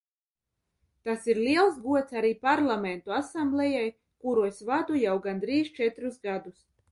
Tas ir liels gods arī Parlamentu asamblejai, kuru es vadu jau gandrīz četrus gadus.